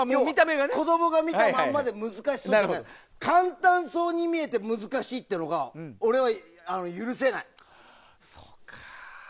子供が見たままで難しそうだから簡単そうに見えて難しいっていうのがそうか。